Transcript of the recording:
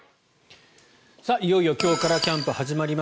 いよいよ今日からキャンプ始まります。